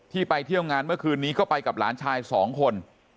ไปเที่ยวงานเมื่อคืนนี้ก็ไปกับหลานชาย๒คน